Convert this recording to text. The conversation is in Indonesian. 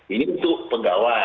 ini untuk pegawai